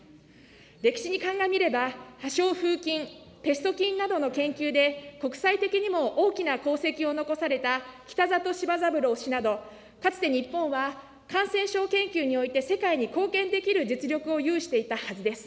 歴史に鑑みれば、破傷風菌、ペスト菌などの研究で、国際的にも大きな功績を残された北里柴三郎氏など、かつて日本は感染症研究において世界に貢献できる実力を有していたはずです。